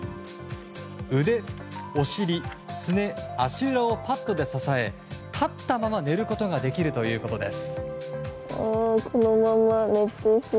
腕、お尻、すね、足裏をパットで支え立ったまま寝ることができるということです。